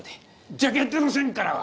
ジャケットの線からは？